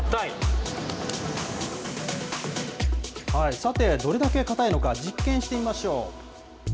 さて、どれだけ硬いのか、実験してみましょう。